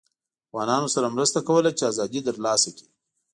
افغانانوسره مرسته کوله چې ازادي ترلاسه کړي